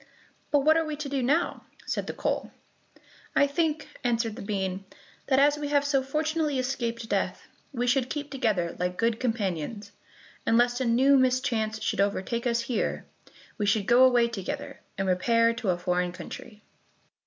"But what are we to do now?" said the coal. "I think," answered the bean, "that as we have so fortunately escaped death, we should keep together like good companions, and lest a new mischance should overtake us here, we should go away together, and repair to a foreign country."